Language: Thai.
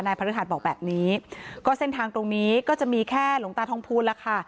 พระฤหัสบอกแบบนี้ก็เส้นทางตรงนี้ก็จะมีแค่หลวงตาทองพูนล่ะค่ะ